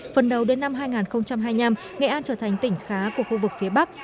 phần đầu đến năm hai nghìn hai mươi năm nghệ an trở thành tỉnh khá của khu vực phía bắc